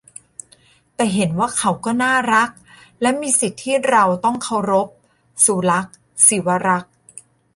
แต่เห็นว่าเขาก็น่ารักและมีสิทธิ์ที่เราต้องเคารพ-สุลักษณ์ ศิวรักษ์